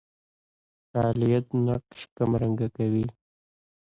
فاعلیت نقش کمرنګه کوي.